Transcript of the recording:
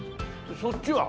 そっちは？